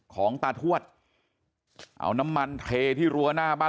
ของตาทวดเอาน้ำมันเทที่รั้วหน้าบ้าน